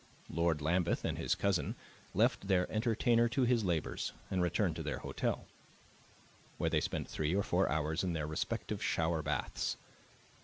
Lord Lambeth and his cousin left their entertainer to his labors and returned to their hotel, where they spent three or four hours in their respective shower baths.